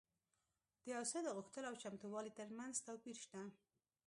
د یو څه د غوښتلو او چمتووالي ترمنځ توپیر شته